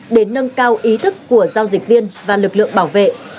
để nâng cao ý thức của giao dịch viên và lực lượng bảo vệ